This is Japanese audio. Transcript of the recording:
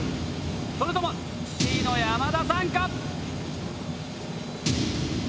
それともＣの山田さんか？